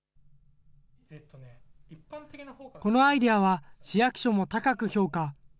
このアイデアは、市役所も高く評価。